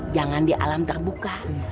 jangan di alam terbuka